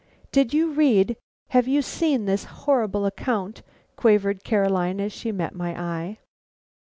"Did you read have you seen this horrible account?" quavered Caroline, as she met my eye.